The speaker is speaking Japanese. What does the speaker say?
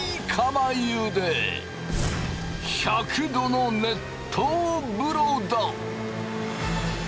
１００℃の熱湯風呂だ。